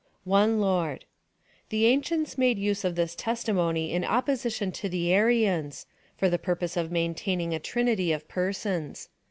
One Lord. The ancients made use of this testimony in opposition to the Arians, for the purpose of maintaining a Trinity of persons.